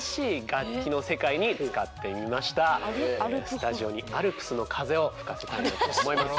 スタジオにアルプスの風を吹かせたいと思います。